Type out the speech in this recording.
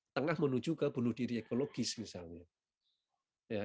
tengah menuju ke bunuh diri ekologis misalnya